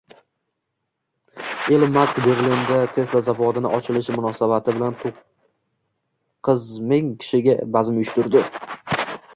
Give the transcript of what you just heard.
Ilon Mask Berlinda Tesla zavodi ochilishi munosabati bilanto´qqizming kishiga bazm uyushtirdi